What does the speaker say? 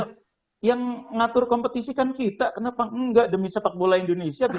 karena yang ngatur kompetisi kan kita kenapa enggak demi sepak bola indonesia